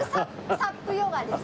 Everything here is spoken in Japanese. サップヨガです。